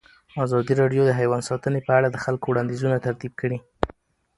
ازادي راډیو د حیوان ساتنه په اړه د خلکو وړاندیزونه ترتیب کړي.